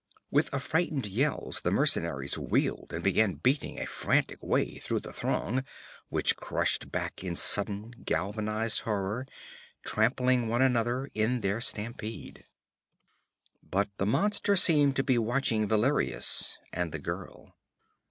With affrighted yells the mercenaries wheeled and began beating a frantic way through the throng, which crushed back in sudden, galvanized horror, trampling one another in their stampede. But the monster seemed to be watching Valerius and the girl.